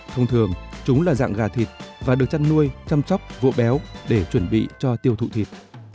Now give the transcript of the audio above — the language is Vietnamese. thông thường chúng là dạng gà thịt và được chăn nuôi chăm sóc vụa béo để chuẩn bị cho tiêu thụ thịt